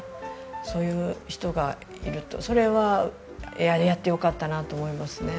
そういう人がいるとそれはやって良かったなと思いますね。